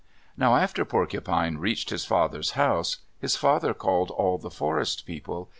Now after Porcupine reached his father's house, his father called all the Forest People.